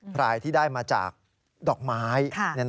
พรายที่ได้มาจากดอกไม้